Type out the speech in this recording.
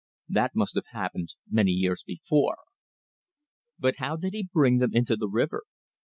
That must have happened many years before. But how did he bring them into the river?